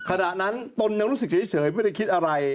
ขณะนั้นตนยังรู้สึกเฉยไม่ได้คิดอะไร